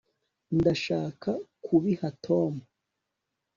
ndashaka kubiha tom